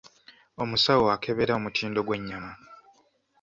Omusawo akebera omutindo gw'ennyama.